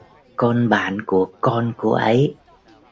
con bạn của con cô ấy